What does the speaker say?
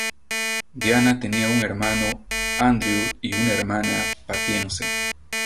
Diana tenía un hermano, Andrew, y una hermana, Patience.